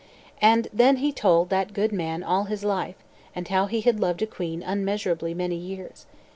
And then he told that good man all his life, and how he had loved a queen unmeasurably many years.